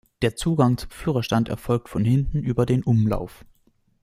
Der Zugang zum Führerstand erfolgt von hinten über den Umlauf.